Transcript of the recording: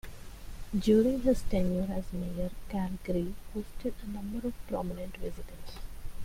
During his tenure as mayor, Calgary hosted a number of prominent visitors.